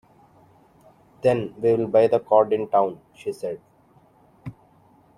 "Then we will buy the cord in town," she said.